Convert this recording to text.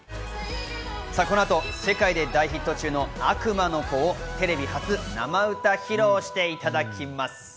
この後、世界で大ヒット中の『悪魔の子』をテレビ初、生歌披露していただきます。